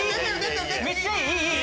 めっちゃいい！いい！